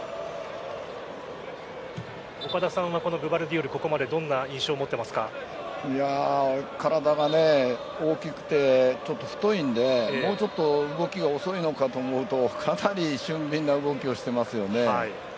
岡田さんはこのグヴァルディオルここまでどんな印象を体が大きくてちょっと太いのでもうちょっと動きが遅いのかと思うとかなり俊敏な動きをしていますよね。